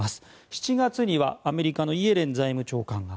７月にはアメリカのイエレン財務長官が。